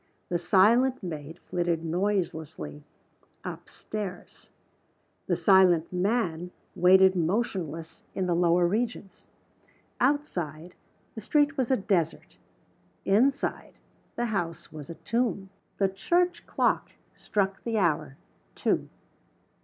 The silent maid flitted noiseless up stairs. The silent man waited motionless in the lower regions. Outside, the street was a desert. Inside, the house was a tomb. The church clock struck the hour. Two.